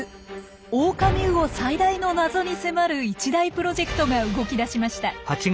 オオカミウオ最大の謎に迫る一大プロジェクトが動き出しました。